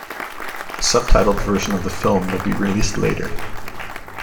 A subtitled version of the film will be released later.